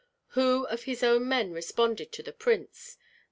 Who of his own men responded to the prince?